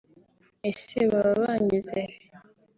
Ese baba banyuze he